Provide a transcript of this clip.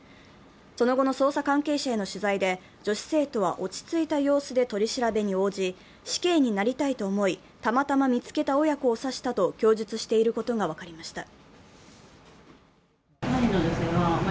その後の捜査関係者への取材で女子生徒は落ち着いた様子で取り調べに応じ、死刑になりたいと思いたまたま見つけた親子を刺したと供述していることが分かりました。